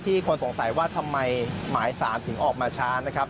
คนสงสัยว่าทำไมหมายสารถึงออกมาช้านะครับ